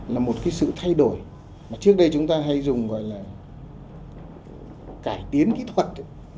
là một cái sự thay đổi mà trước đây chúng ta hay dùng gọi là cải tiến kỹ thuật